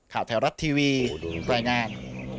ข่าวแถวรัฐทีวีแรงงาน